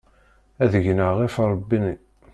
Ad gneɣ ɣef ṛṛbiɣ-nni.